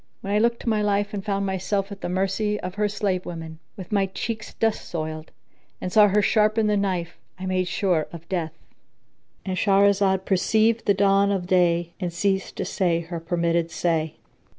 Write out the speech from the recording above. When I looked to my life and found myself at the mercy of her slave women, with my cheeks dust soiled, and saw her sharpen the knife, I made sure of death.—And Shahrazad perceived the dawn of day and ceased to say her permitted say.